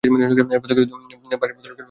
এরপর থেকেই বাড়ি বদলের খেলা শুরু হয়।